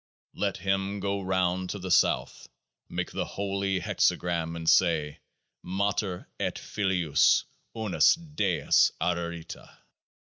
Let him go round to the South, make the Holy Hexagram, and say : MATER ET FILIUS UNUS DEUS ARARITA.